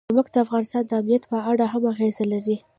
نمک د افغانستان د امنیت په اړه هم اغېز لري.